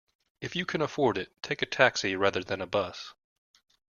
If you can afford it, take a taxi rather than a bus